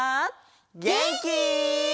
げんき？